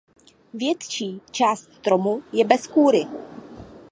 Větší část stromu je bez kůry.